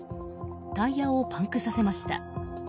タイヤをパンクさせました。